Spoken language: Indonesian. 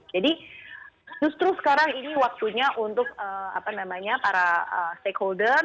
jadi justru sekarang ini waktunya untuk para stakeholder